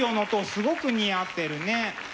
すごく似合ってるね。